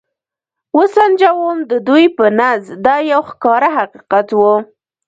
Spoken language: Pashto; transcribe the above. و سنجوم، د دوی په نزد دا یو ښکاره حقیقت و.